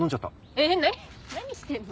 えっ何してんの？